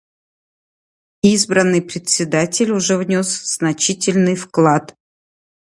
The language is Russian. Избранный Председатель уже внес значительный вклад.